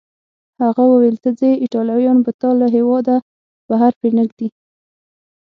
هغه وویل: ته ځې، ایټالویان به تا له هیواده بهر پرېنږدي.